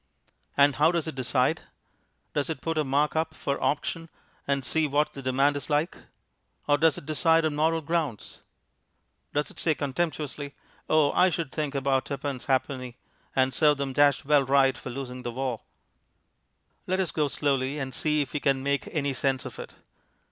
And how does it decide? Does it put a mark up for auction and see what the demand is like? Or does it decide on moral grounds? Does it say contemptuously, "Oh, I should think about tuppence ha'penny, and serve 'em dashed well right for losing the war"? Let us go slowly, and see if we can make any sense of it.